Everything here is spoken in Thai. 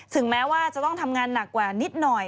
แม้ว่าจะต้องทำงานหนักกว่านิดหน่อย